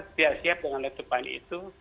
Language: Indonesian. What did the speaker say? tidak siap dengan letupan itu